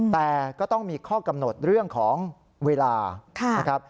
แต่ก็ต้องมีข้อกำหนดเรื่องของเวลานะครับ